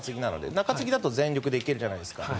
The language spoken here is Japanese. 中継ぎだと全力で行けるじゃないですか。